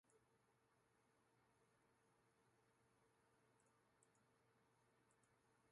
They are not intended to imitate any other instrument or sound.